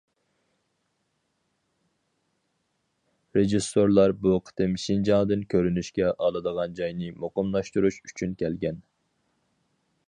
رېژىسسورلار بۇ قېتىم شىنجاڭدىن كۆرۈنۈشكە ئالىدىغان جاينى مۇقىملاشتۇرۇش ئۈچۈن كەلگەن.